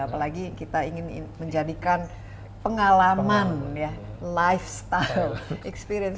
apalagi kita ingin menjadikan pengalaman ya lifestyle experience